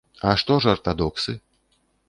А што ж артадоксы?